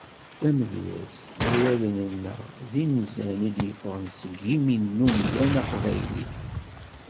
Tamedyezt, d awalen neɣ d inzan i d-yeffɣen seg yimi n umdan aqbayli.